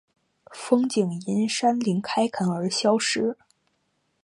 风景因山林开垦而消失